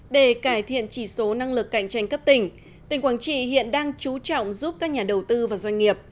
để cải thiện chỉ số năng lực cạnh tranh cấp tỉnh tỉnh quảng trị hiện đang chú trọng giúp các nhà đầu tư và doanh nghiệp